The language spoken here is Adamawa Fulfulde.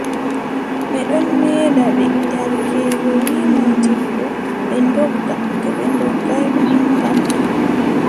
Ɓe ɗon meeda ɓe, derkeejo wii moodibbo, ɓe ndogga, to ɓe ndoggaay ɓe naŋgan ɓe.